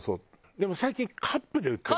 でも最近カップで売ってるでしょ。